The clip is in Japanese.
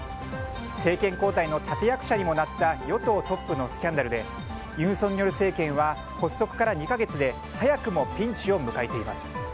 政権交代の立役者にもなった与党トップのスキャンダルで尹錫悦政権は発足から２か月で早くもピンチを迎えています。